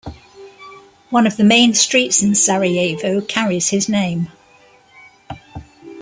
One of the main streets in Sarajevo carries his name.